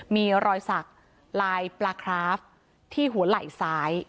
มีรอยสักลายปลาคราฟที่หัวไหล่ซ้าย